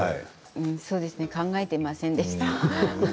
そうですね考えていませんでした。